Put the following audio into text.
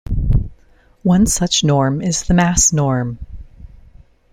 One such norm is the "mass norm".